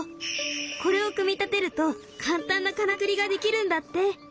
これを組み立てると簡単なからくりができるんだって。